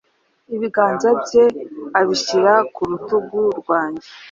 Ibiganza bye abishyira kurutugu rwanjye